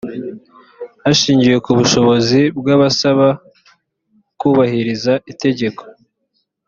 hashingiwe ku bushobozi bw abasaba kubahiriza itegeko